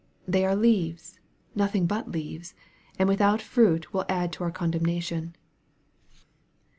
They are leaves, nothing but leaves, and without fruit will add to our condemnation.